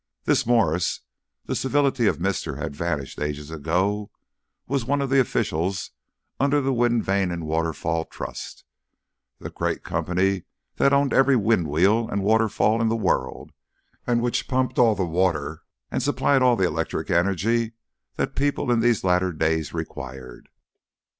This Mwres the civility of "Mr." had vanished ages ago was one of the officials under the Wind Vane and Waterfall Trust, the great company that owned every wind wheel and waterfall in the world, and which pumped all the water and supplied all the electric energy that people in these latter days required.